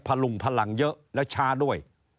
พลุงพลังเยอะและช้าด้วย